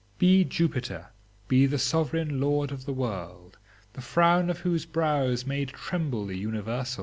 Be Jupiter, be the sovereign lord of the world, the frown of whose brows made tremble the universe!